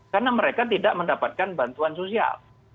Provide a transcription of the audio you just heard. karena mereka tidak mendapatkan bantuan sosial